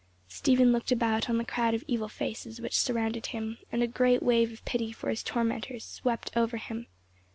Stephen looked about on the crowd of evil faces which surrounded him, and a great wave of pity for his tormentors swept over him.